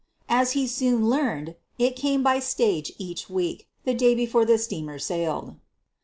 As he soon learned, it came by stage each week, the day before the steamer sailed.